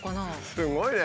すごいね！